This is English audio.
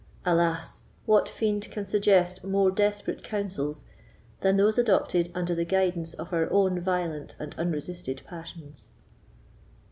Alas! what fiend can suggest more desperate counsels than those adopted under the guidance of our own violent and unresisted passions?